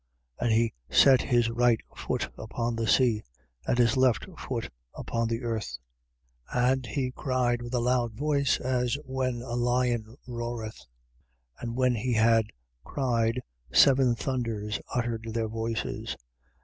And he set his right foot upon the sea, and his left foot upon the earth. 10:3. And he cried with a loud voice as when a lion roareth. And when he had cried, seven thunders uttered their voices.